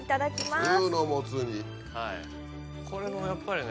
これもやっぱりね。